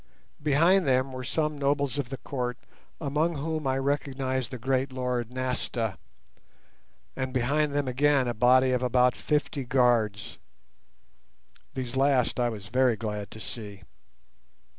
Behind them were some nobles of the Court, among whom I recognized the great lord Nasta, and behind them again a body of about fifty guards. These last I was very glad to see.